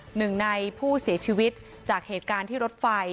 หนึ่งในผู้เสียชีวิตจากเหตุการณ์ที่รถไฟ